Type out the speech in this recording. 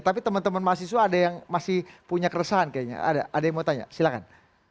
tapi teman teman mahasiswa ada yang masih punya keresahan kayaknya ada yang mau tanya silahkan